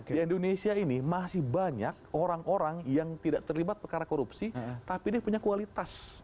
di indonesia ini masih banyak orang orang yang tidak terlibat perkara korupsi tapi dia punya kualitas